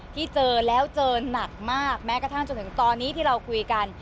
ที่เจอแล้วเจอหนักมากแม้กระทั่งจนถึงตอนนี้ที่เราคุยกัน